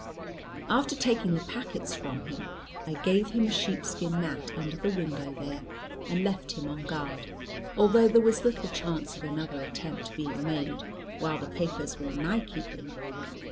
After taking the packets from him, I gave him a sheepskin mat under the window there, and left him on guard; although there was little chance of another attempt being made, while the papers were in my keeping.